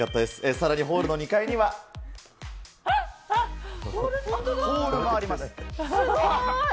さらにホールの２階には。ポールもあります。